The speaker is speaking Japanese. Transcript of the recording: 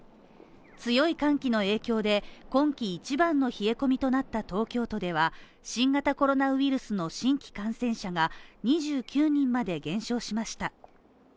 強い寒気の影響で今季一番の冷え込みとなった東京都では新型コロナウイルスの新規感染者が２９人まで減少しました。